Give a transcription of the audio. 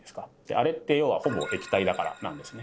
あれって要はほぼ液体だからなんですね。